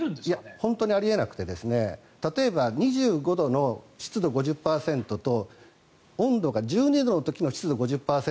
本当にあり得なくて例えば２５度の湿度５０％と温度が１２度の時の湿度５０％